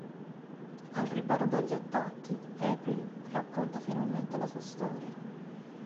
Al riparo dagli attacchi, April racconta finalmente la sua storia.